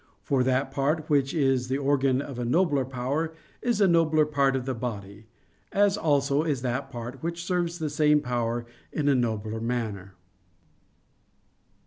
For that part which is the organ of a nobler power, is a nobler part of the body: as also is that part which serves the same power in a nobler manner.